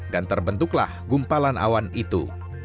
dan terbentuklah gumpalan awan itu